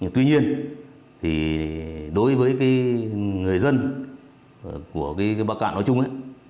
tuy nhiên thì đối với người dân của bắc cạn nói chung